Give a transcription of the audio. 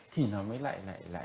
thì nó mới lại